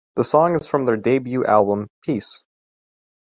The song is from their debut album "Peace".